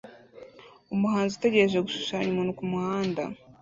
Umuhanzi utegereje gushushanya umuntu kumuhanda